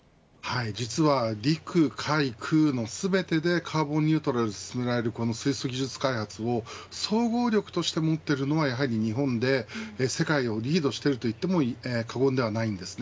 実は陸・海・空の全てでカーボンニュートラルが進められるこの水素技術開発を総合力として持っているのはやはり日本で世界をリードしていると言っても過言ではないんです。